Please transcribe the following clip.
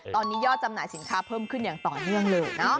ตอนนี้ยอดจำหน่ายสินค้าเพิ่มขึ้นอย่างต่อเนื่องเลย